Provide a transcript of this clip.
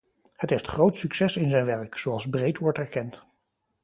Het heeft groot succes in zijn werk, zoals breed wordt erkend.